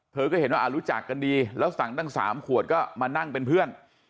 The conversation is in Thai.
เธอก็เห็นว่ารู้จักกันดีแล้วสั่งตั้ง๓ขวดก็มานั่งเป็นเพื่อน